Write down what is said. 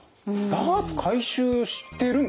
ダーツ回収してるんですね。